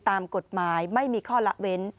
ตามกฎหมายไม่มีข้อละเว้น